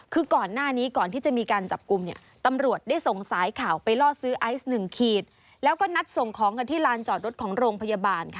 คือก่อนหน้านี้ก่อนที่จะมีการจับกุมเนี่ย